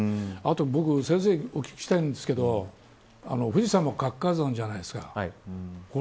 あと、先生にお聞きしたいんですけど富士山も活火山じゃないですか。